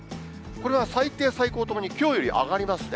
これは最低、最高ともに、きょうより上がりますね。